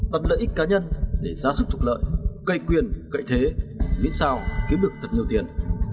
tận lợi ích cá nhân để giá sức trục lợi cậy quyền cậy thế miễn sao kiếm được thật nhiều tiền